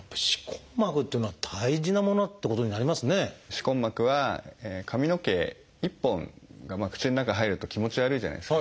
歯根膜は髪の毛１本が口の中へ入ると気持ち悪いじゃないですか。